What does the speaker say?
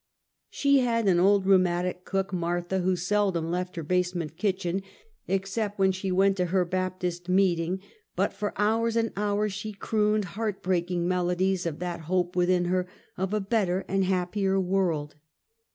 She had an old, rheumatic cook, Martha, who seldom left her basement kitchen, except when she went to her Baptist meeting, but for hours and hours she crooned heart breaking melodies of that hope within her, of a better and a happier world.